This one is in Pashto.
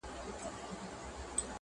چي خروښیږي له کونړه تر ارغنده تر هلمنده-